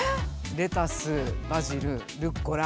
レタスバジルルッコラ